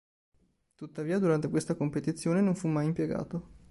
Tuttavia, durante questa competizione non fu mai impiegato.